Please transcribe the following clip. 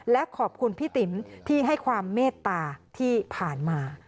และขอบคุณพี่ติ๋มที่ให้ความเมตตาที่ผ่านมา